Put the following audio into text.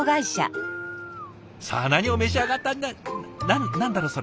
さあ何を召し上がった何だろう？